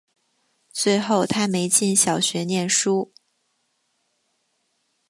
最后她没进小学念书